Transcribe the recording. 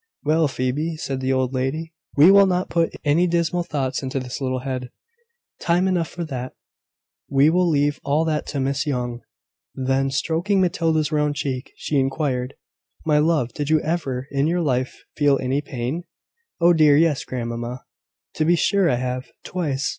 "Well, Phoebe," said the old lady, "we will not put any dismal thoughts into this little head: time enough for that: we will leave all that to Miss Young." Then, stroking Matilda's round cheek, she inquired, "My love, did you ever in your life feel any pain?" "Oh, dear, yes, grandmamma: to be sure I have; twice.